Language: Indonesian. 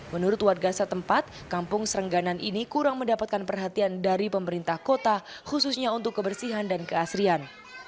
menurut warga setempat kampung serengganan ini kurang mendapatkan perhatian dari pemerintah kota khususnya untuk kebersihan dan keasrian